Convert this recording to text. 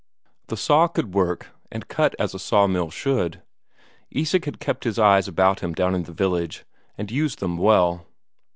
The saw could work, and cut as a sawmill should; Isak had kept his eyes about him down in the village, and used them well.